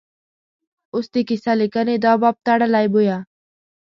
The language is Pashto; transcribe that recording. اوس د کیسه لیکنې دا باب تړلی بویه.